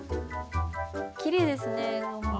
きれいですね。